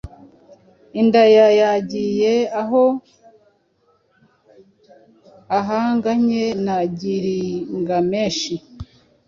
indayayagiye aho ahanganye na Gilgamesh